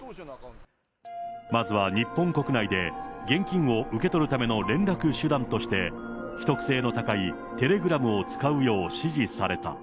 まずは日本国内で現金を受け取るための連絡手段として、秘匿性の高いテレグラムを使うよう指示された。